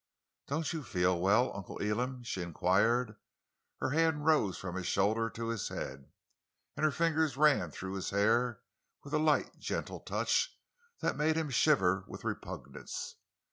"Don't you feel well, Uncle Elam?" she inquired. Her hand rose from his shoulder to his head, and her fingers ran through his hair with a light, gentle touch that made him shiver with repugnance.